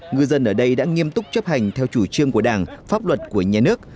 ngư dân ở đây đã nghiêm túc chấp hành theo chủ trương của đảng pháp luật của nhà nước